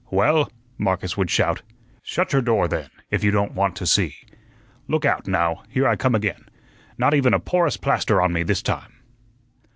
"Well," Marcus would shout, "shut your door, then, if you don't want to see. Look out, now, here I come again. Not even a porous plaster on me this time."